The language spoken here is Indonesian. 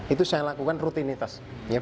itu saya lakukan rutinitas